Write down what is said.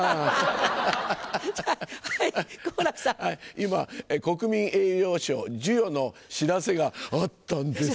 今国民栄誉賞授与の知らせがあったんですよ。